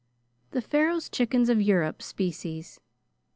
"' the Pharaoh's Chickens of European species.